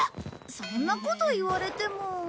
そんなこと言われても。